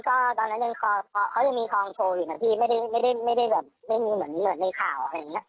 ก็ตอนนั้นเขายังมีทองโชว์อยู่ที่ไม่มีเหมือนในข่าว